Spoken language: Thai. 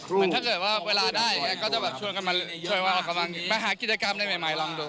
ว่าถ้าเกิดเวลาได้ก็จะชวนเข้ามาจะมาหากิจกรรมใหม่ลองดู